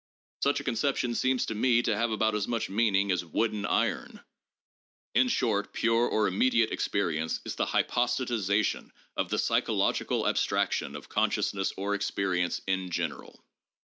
Such a conception seems to me to have about as much meaning as 'wooden iron.' In short, pure or immediate experience is the hy postatization of the psychological abstraction of consciousness or experience ' in general.